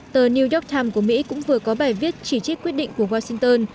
tờ new york times của mỹ cũng vừa có bài viết chỉ trích quyết định của washington